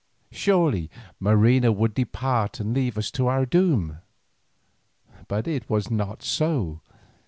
Surely Marina would depart and leave us to our doom. But it was not so.